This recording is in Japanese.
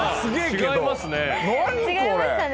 違いますね。